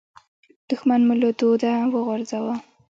دوښمن مو له دوده وغورځاوو.